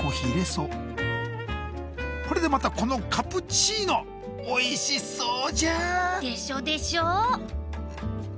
それでまたこのカプチーノおいしそうじゃん。でしょ？でしょ？